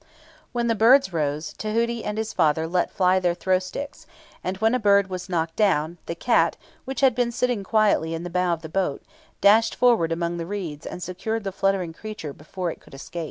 When the birds rose, Tahuti and his father let fly their throw sticks, and when a bird was knocked down, the cat, which had been sitting quietly in the bow of the boat, dashed forward among the reeds and secured the fluttering creature before it could escape.